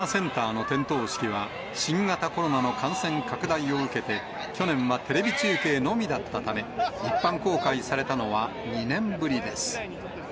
ロックフェラーセンターの点灯式は、新型コロナの感染拡大を受けて、去年はテレビ中継のみだったため、一般公開されたのは、２年ぶりです。